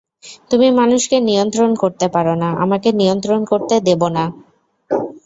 তুমি মানুষকে নিয়ন্ত্রণ করতে পারো না, আমাকে নিয়ন্ত্রণ করতে দেব না।